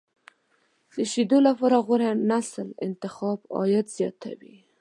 د شیدو لپاره غوره نسل انتخاب، عاید زیاتوي.